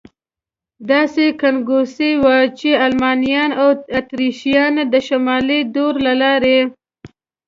داسې ګنګوسې وې، چې المانیان او اتریشیان د شمالي درو له لارې.